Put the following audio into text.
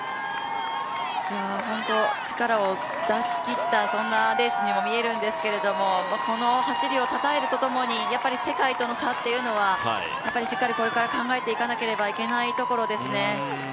本当、力を出し切ったレースにも見えるんですけどもこの走りをたたえるとともにやっぱり世界との差というのはこれから考えていかなければいけないところですね。